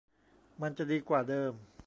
มันจะดีกว่าเดิม